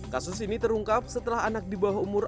kasus ini terungkap setelah anak di bawah umur